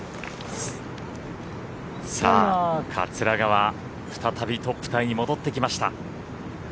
桂川再びトップタイに戻ってきました。